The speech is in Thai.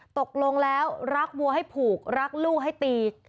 ตกลงแล้วรักวัวให้ผูกรักลูกให้ตี